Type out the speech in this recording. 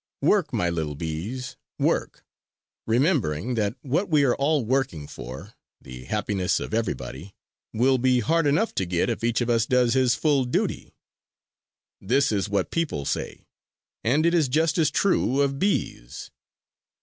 "Work, my little bees, work! remembering that what we are all working for, the happiness of everybody, will be hard enough to get if each of us does his full duty. This is what people say, and it is just as true of bees.